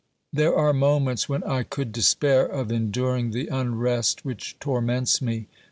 There are moments when I could despair of enduring the unrest which torments me.